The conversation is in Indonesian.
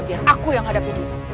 biar aku yang hadapi